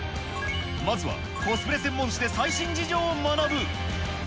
まずはコスプレ専門誌で最新事情を学ぶ。